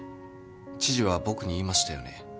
知事は僕に言いましたよね？